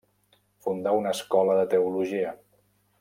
Fundà una escola de teologia.